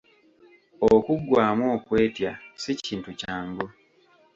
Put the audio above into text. Okuggwaamu okwetya si Kintu kyangu.